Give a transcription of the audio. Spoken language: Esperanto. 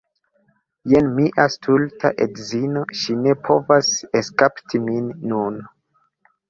Jen mia stulta edzino ŝi ne povas eskapi min nun